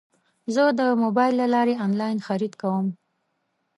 زه د موبایل له لارې انلاین خرید کوم.